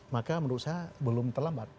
maka menurut saya belum terlambat